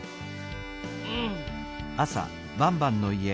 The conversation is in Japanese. うん。